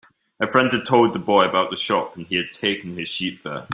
A friend had told the boy about the shop, and he had taken his sheep there.